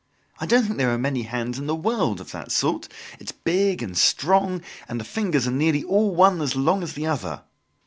I don't think there are many hands in the world of that sort. It is big and strong and the fingers are nearly all one as long as the other!